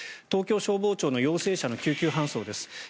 東京消防庁の陽性者の救急搬送です。